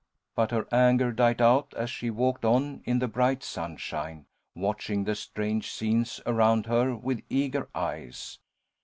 But her anger died out as she walked on in the bright sunshine, watching the strange scenes around her with eager eyes.